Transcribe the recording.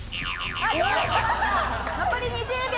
残り２０秒。